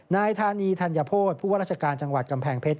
นายธานีธัญโภษผู้ว่าราชการจังหวัดกำแพงเพชร